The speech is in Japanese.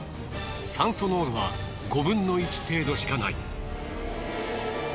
酸素濃度は５分の１程度しかない。